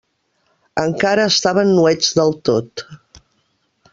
Encara estaven nuets del tot.